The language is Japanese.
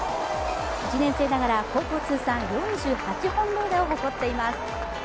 １年生ながら高校通算４８本塁打を誇っています。